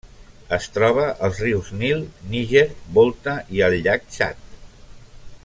Es troba als rius Nil, Níger, Volta, i al llac Txad.